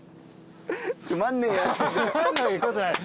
つまんないことない。